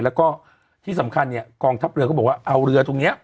ด้วยสำคัญเนี่ยกองทัพเรือเอาเรือตรงเนี้ย